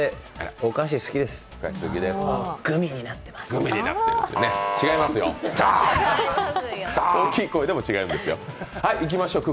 大きい声でも違いますよ。